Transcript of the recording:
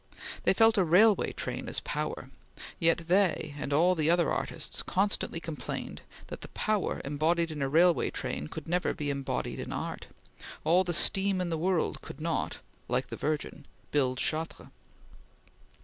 They felt a railway train as power, yet they, and all other artists, constantly complained that the power embodied in a railway train could never be embodied in art. All the steam in the world could not, like the Virgin, build Chartres.